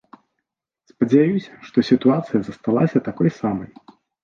Спадзяюся, што сітуацыя засталася такой самай.